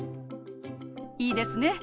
いいですね。